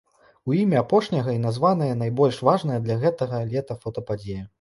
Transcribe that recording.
У імя апошняга і названая найбольш важная для гэтага лета фотападзея.